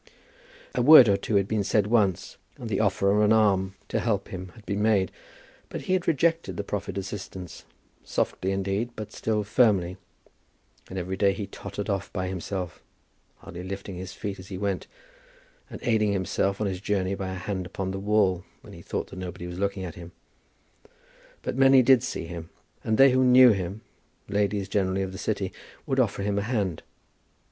A word or two had been said once, and the offer of an arm to help him had been made; but he had rejected the proffered assistance, softly, indeed, but still firmly, and every day he tottered off by himself, hardly lifting his feet as he went, and aiding himself on his journey by a hand upon the wall when he thought that nobody was looking at him. But many did see him, and they who knew him, ladies generally of the city, would offer him a hand.